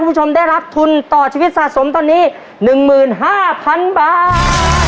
คุณผู้ชมได้รับทุนต่อชีวิตสะสมตอนนี้๑๕๐๐๐บาท